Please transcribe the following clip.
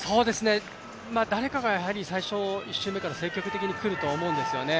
誰かが１周目から積極的に来ると思うんですよね。